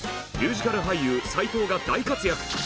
ミュージカル俳優斎藤が大活躍。